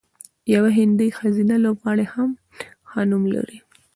یوه هندۍ ښځینه لوبغاړې هم ښه نوم لري.